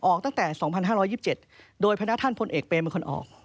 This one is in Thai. ออกตั้งแต่๒๕๒๗โดยพระนาท่านพลเอกเปรเราถึงออก